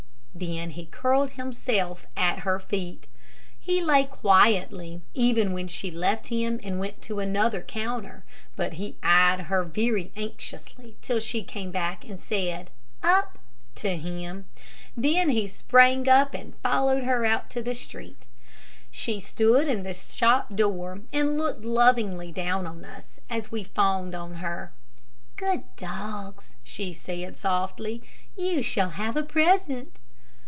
Then he curled himself at her feet. He lay quietly, even when she left him and went to another counter. But he eyed her very anxiously till she came back and said, "Up," to him. Then he sprang up and followed her out to the street. She stood in the shop door, and looked lovingly down on us as we fawned on her. "Good dogs," she said, softly; "you shall have a present."